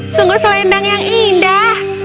sungguh selendang yang indah